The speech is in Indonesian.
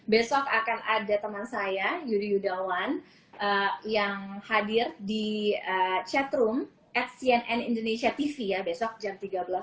besok akan ada teman saya yudi yudawan yang hadir di chatroom at cnn indonesia tv ya besok jam tiga belas